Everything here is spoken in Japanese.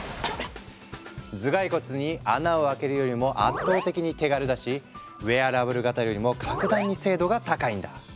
頭蓋骨に穴を開けるよりも圧倒的に手軽だしウェアラブル型よりも格段に精度が高いんだ。